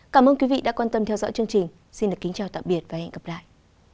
cảm ơn quý vị đã quan tâm theo dõi chương trình xin được kính chào tạm biệt và hẹn gặp lại